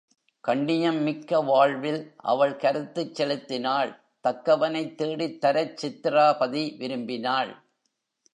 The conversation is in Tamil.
கண்ணியம் மிக்க வாழ்வில் அவள் கருத்துச் செலுத்தினாள் தக்கவனைத் தேடித் தரச் சித்திராபதி விரும்பினாள்.